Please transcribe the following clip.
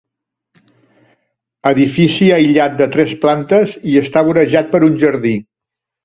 Edifici aïllat de tres plantes i està vorejat per un jardí.